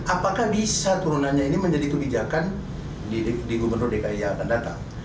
apakah bisa turunannya ini menjadi kebijakan di gubernur dki yang akan datang